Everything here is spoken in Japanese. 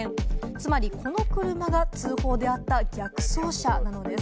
つまりこの車が通報であった逆走車です。